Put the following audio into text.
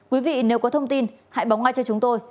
quý vị nếu có thông tin hãy bóng ai cho chúng tôi